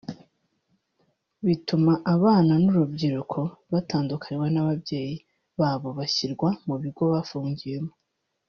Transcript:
bituma abana n’urubyiruko batandukanywa n’ababyeyi babo bashyirwa mu bigo bafungiyemo